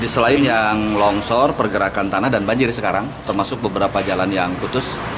selain yang longsor pergerakan tanah dan banjir sekarang termasuk beberapa jalan yang putus